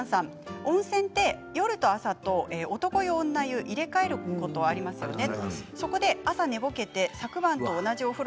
温泉って夜と朝と男湯女湯、入れ替えることがありますよね。